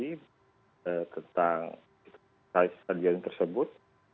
informasi tentang kesehatan tersebut